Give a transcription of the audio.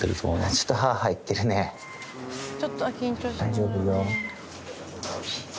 大丈夫よ。